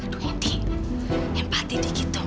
aduh ini empati dikit dong